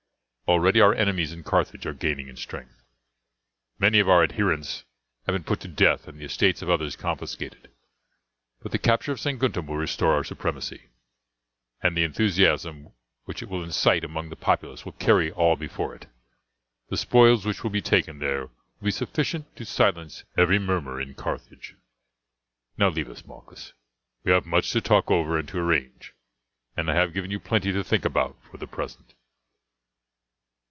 Already our enemies in Carthage are gaining in strength. Many of our adherents have been put to death and the estates of others confiscated; but the capture of Saguntum will restore our supremacy, and the enthusiasm which it will incite among the populace will carry all before it. The spoils which will be taken there will be sufficient to silence every murmur in Carthage. Now leave us, Malchus, we have much to talk over and to arrange, and I have given you plenty to think about for the present."